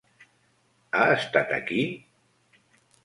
Ha estat aquí?